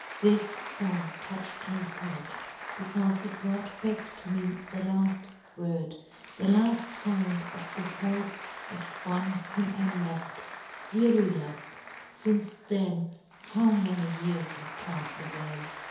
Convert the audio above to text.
This fong ' touched my heart, becaufe it ' brought back to me the laft word, ' the laft found of the voice of one ' whom I loved, dearly loved ; fince ' then how many years have pafTed ' away